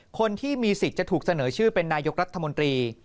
คนที่มีสิทธิ์จะถูกเสนอชื่อเป็นนายกรัฐมนตรี